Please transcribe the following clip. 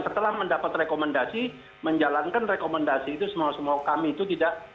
setelah mendapat rekomendasi menjalankan rekomendasi itu semua semua kami itu tidak